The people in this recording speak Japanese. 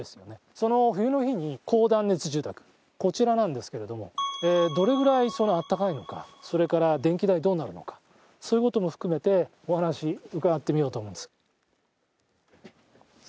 その冬の日に高断熱住宅こちらなんですけどどれぐらい暖かいのかそして、電気代どうなるのかそういうことも含めてお話、伺ってみようと思います。